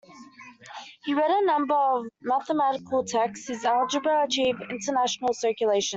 He wrote a number of mathematical texts: his "Algebra" achieved international circulation.